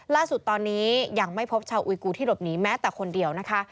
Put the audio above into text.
ล่าสุดตอนนี้ยังไม่พบชาวอุยกูที่หลบหนีแม้แต่คนเดียวนะคะ